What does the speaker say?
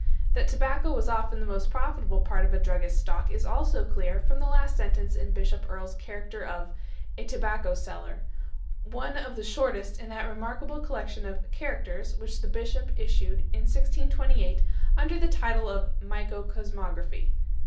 That tobacco was often the most profitable part of a druggist's stock is also clear from the last sentence in Bishop Earle's character of "A Tobacco Seller," one of the shortest in that remarkable collection of "Characters" which the Bishop issued in 1628 under the title of "Micro Cosmographie."